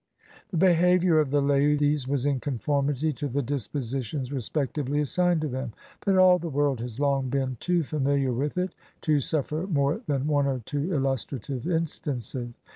The behavior of the ladies was in conformity to the dispositions respectively assigned to them; but all the world has long been too f amihar with it to suffer more than one or two illustrative instances.